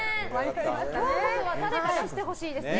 今日こそは誰か出してほしいですよね。